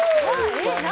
えっ何？